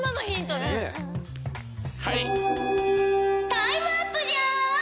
タイムアップじゃ！